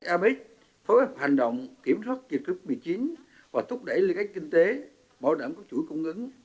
apec phối hợp hành động kiểm soát kỳ cực một mươi chín và thúc đẩy lưu cách kinh tế bảo đảm các chuỗi cung ứng